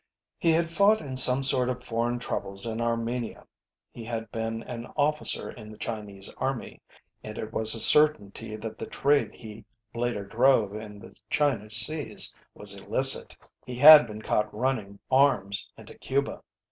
He had fought in some sort of foreign troubles in Armenia. He had been an officer in the Chinese army, and it was a certainty that the trade he later drove in the China Seas was illicit. He had been caught running arms into Cuba.